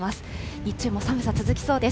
日中も寒さ、続きそうです。